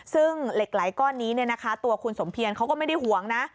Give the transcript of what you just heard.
ซึ่งเหล็กไหลก้อนนี้ตัวคุณสมเพียรเขาก็ไม่ได้ห่วงนะ